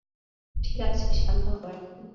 ঠিকাছে, শান্ত হও এখন।